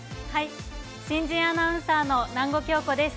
新人アナウンサーの南後杏子です。